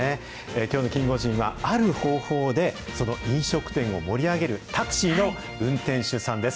きょうのキンゴジンは、ある方法でその飲食店を盛り上げるタクシーの運転手さんです。